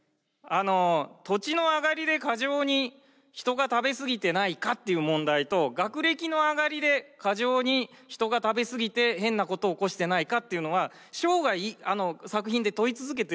土地の上がりで過剰に人が食べ過ぎてないかっていう問題と学歴の上がりで過剰に人が食べ過ぎて変なことを起こしてないかっていうのは生涯作品で問い続けてると思う。